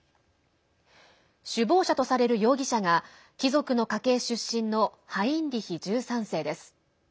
首謀者とされる容疑者が貴族の家系出身のハインリヒ１３世です。